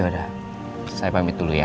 udah saya pamit dulu ya